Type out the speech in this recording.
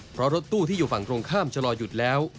เพราะรถตู้ที่อยู่ฝั่งตรงข้ามชะลอหยุดแล้ว